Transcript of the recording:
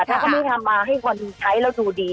ถ้าเขาไม่ทำมาให้คนใช้แล้วดูดี